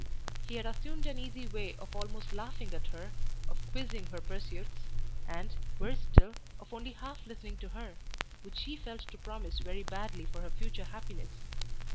He had assumed an easy way of almost laughing at her, of quizzing her pursuits, and, worse still, of only half listening to her, which she felt to promise very badly for her future happiness.